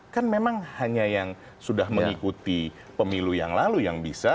kan memang hanya yang sudah mengikuti pemilu yang lalu yang bisa